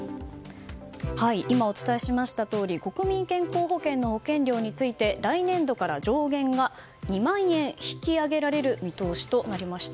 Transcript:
今、お伝えしましたとおり国民健康保険の保険料について来年度から上限が２万円引き上げられる見通しとなりました。